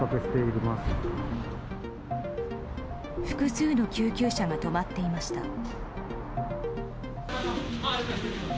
複数の救急車が止まっていました。